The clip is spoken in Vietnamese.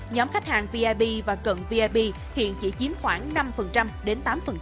nhóm khách hàng vip và cận vip hiện chỉ chiếm khoảng năm đến tám